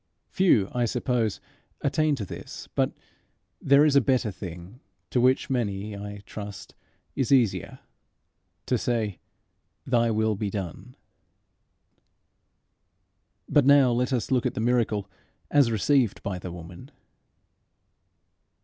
Few, I suppose, attain to this; but there is a better thing which to many, I trust, is easier to say, Thy will be done. But now let us look at the miracle as received by the woman.